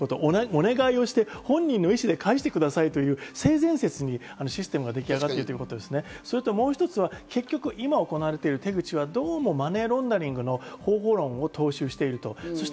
お願いをして本人の意思で返してくださいという性善説にシステムが出来上がっていること、もう一つは、結局今行われている手口はどうもマネーロンダリングの方法論を踏襲している。